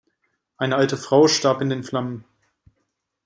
Eine alte Frau starb in den Flammen.